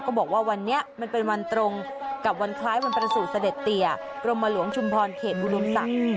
บอกว่าวันนี้มันเป็นวันตรงกับวันคล้ายวันประสูจน์เสด็จเตียกรมหลวงชุมพรเขตอุดมศักดิ์